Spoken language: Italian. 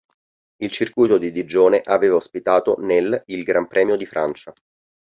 Il Circuito di Digione aveva ospitato nel il Gran Premio di Francia.